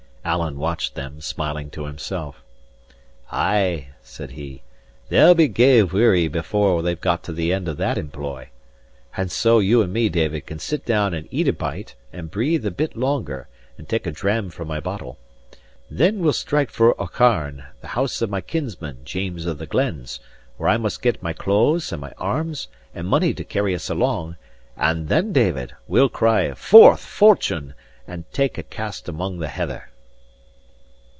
Alan watched them, smiling to himself. "Ay," said he, "they'll be gey weary before they've got to the end of that employ! And so you and me, David, can sit down and eat a bite, and breathe a bit longer, and take a dram from my bottle. Then we'll strike for Aucharn, the house of my kinsman, James of the Glens, where I must get my clothes, and my arms, and money to carry us along; and then, David, we'll cry, 'Forth, Fortune!' and take a cast among the heather."